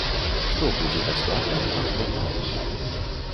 Што будзе бясплатным, а што платным?